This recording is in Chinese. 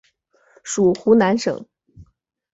属湖南省。